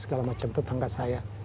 segala macam tetangga saya